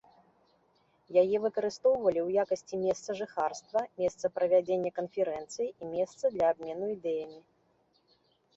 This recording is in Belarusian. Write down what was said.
Яе выкарыстоўвалі ў якасці месца жыхарства, месца правядзення канферэнцый і месца для абмену ідэямі.